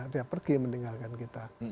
dia pergi meninggalkan kita